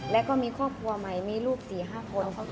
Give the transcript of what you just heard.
และก็มีครอบครัวใหม่มีลูกสี่ห้าคน